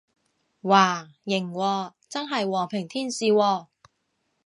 嘩，型喎，真係和平天使喎